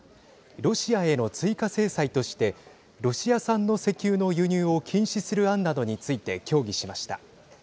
ロシアへの追加制裁としてロシア産の石油の輸入を禁止する案などについて協議しました。